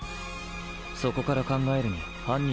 そこから考えるに犯人の能力は。